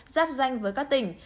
giáp danh với các tỉnh